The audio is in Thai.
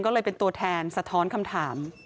ก็เลยเป็นตัวแทนสะท้อนคำถาม